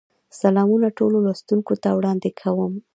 سلامونه ټولو لوستونکو ته وړاندې کوم.